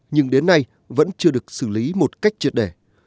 nhưng đến nay vẫn chưa được xử lý một cách triệt đề